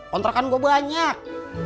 kontrakan gue banyak